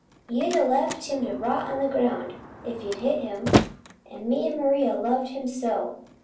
You'd a left him to rot on the ground, if you'd a hit him; an' me an' Maria's loved him so!